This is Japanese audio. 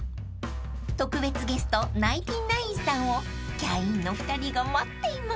［特別ゲストナインティナインさんをキャインの２人が待っています］